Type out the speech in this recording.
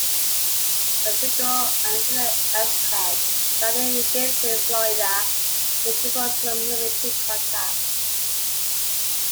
A single 'Antillean axe head' found near Gainesville, Florida may support some limited contacts.